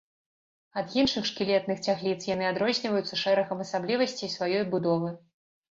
Ад іншых шкілетных цягліц яны адрозніваюцца шэрагам асаблівасцей сваёй будовы.